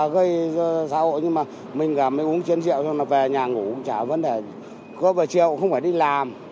bây giờ gây xã hội nhưng mà mình mới uống chiến rượu rồi về nhà ngủ chả có vấn đề góp về chiều không phải đi làm